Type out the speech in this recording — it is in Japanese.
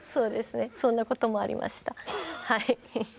そんなこともありましたはい。